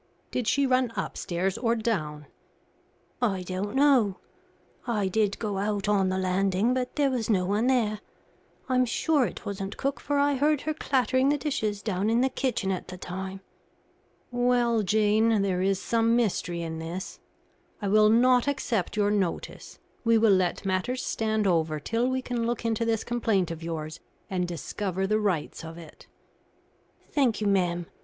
"Did she run upstairs or down?" "I don't know. I did go out on the landing, but there was no one there. I'm sure it wasn't cook, for I heard her clattering the dishes down in the kitchen at the time." "Well, Jane, there is some mystery in this. I will not accept your notice; we will let matters stand over till we can look into this complaint of yours and discover the rights of it." "Thank you, ma'am.